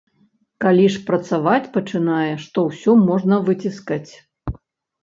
Калі ж працаваць пачынаеш, то ўсё можна выціскаць.